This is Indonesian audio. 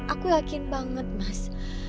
aku yakin banget mas